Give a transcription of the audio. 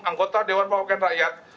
anggota dewan perwakilan rakyat